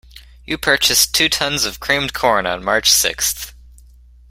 You purchased two tons of creamed corn on March sixth.